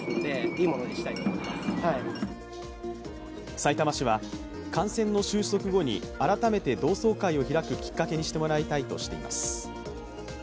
さいたま市は、感染の終息後に改めて同窓会を開くきっかけにしてもらいたいとしています。